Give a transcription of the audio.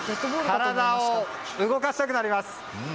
体を動かしたくなります。